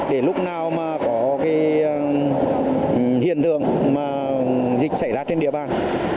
để lúc nào có hiện tượng dịch xảy ra trên địa bàn